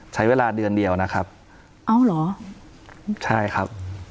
ใช้เวลาเดือนเดียวนะครับเอาเหรอใช่ครับ